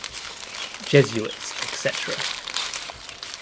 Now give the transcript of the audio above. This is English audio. Jesuits etc.